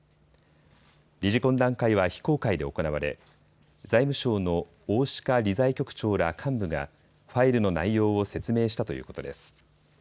理事懇談会は非公開で行われ財務省の大鹿理財局長ら幹部がファイルの内容を説明したということです。